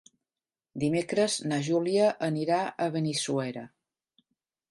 Dimecres na Júlia anirà a Benissuera.